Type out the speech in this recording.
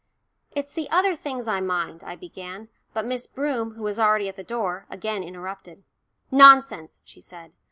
"It's the other things I mind," I began, but Miss Broom, who was already at the door, again interrupted. "Nonsense," she said.